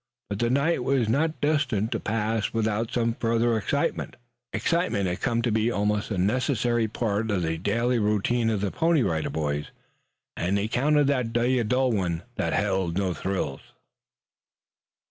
But the night was not destined to pass without some further excitement. Excitement had come to be almost a necessary part of the daily routine of the Pony Rider Boys, and they counted that day a dull one that held no thrills.